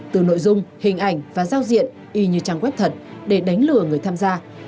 từ nội dung hình ảnh và giao diện y như trang web thật để đánh lừa người tham gia